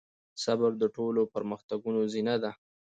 صبر د ټولو پرمختګونو زينه ده.